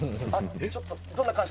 「ちょっとどんな感触？」